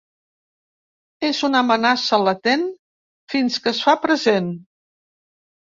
És una amenaça latent fins que es fa present.